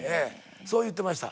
そう言ってました。